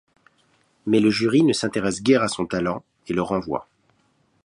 Mais le jury ne s'intéresse guère à son talent et le renvoie.